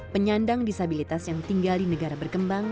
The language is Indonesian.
penyandang disabilitas yang tinggal di negara berkembang